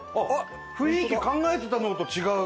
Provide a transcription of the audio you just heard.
雰囲気考えてたのと違う。